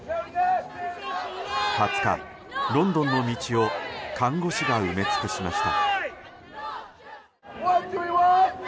２０日、ロンドンの道を看護師が埋め尽くしました。